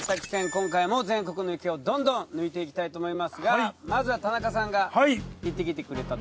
今回も全国の池をどんどん抜いていきたいと思いますがまずは田中さんが行ってきてくれたと。